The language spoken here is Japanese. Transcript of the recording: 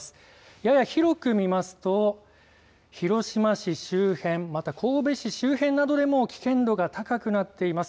やや広く見ますと、広島市周辺また神戸市周辺などでも危険度が高くなっています。